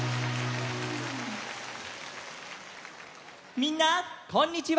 みんなこんにちは！